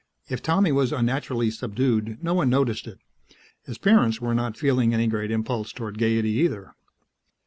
If Tommy was unnaturally subdued, no one noticed it; his parents were not feeling any great impulse toward gaiety either.